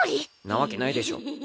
なわけないでしょ。